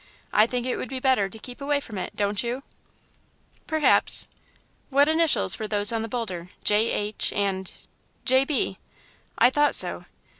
I think it would be better to keep away from it, don't you?" "Perhaps." "What initials were those on the boulder? J. H. and " "J. B." "I thought so.